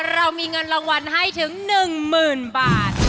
เรามีเงินละวัลให้ถึง๑มืนบาท